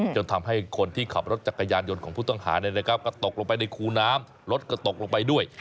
จนทำให้คนที่ขับรถจักรยานยนต์ของผู้ต้องหาก็ตกลงไปในคูน้ำรถก็ตกลงไปด้วย